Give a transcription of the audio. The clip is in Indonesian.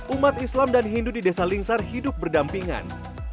umat islam dan hindu di desa lingsar hidup berdampingan